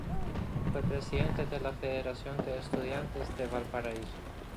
Fue presidente de la Federación de Estudiantes de Valparaíso.